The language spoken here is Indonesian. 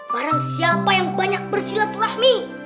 barang siapa yang banyak bersilaturahmi